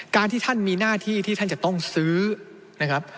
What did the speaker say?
การที่ท่านมีหน้าที่ที่ท่านจะต้องซื้อนะครับ